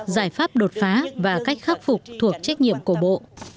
giải pháp đột phá và cách khắc phục thuộc trách nhiệm của bộ